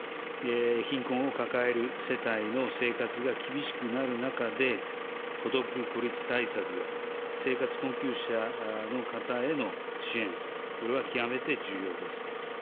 貧困を抱える世帯の生活が厳しくなる中で、孤独・孤立対策や、生活困窮者の方への支援、これは極めて重要です。